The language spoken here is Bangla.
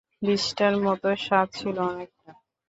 বিষ্ঠার মতো স্বাদ ছিল অনেকটা!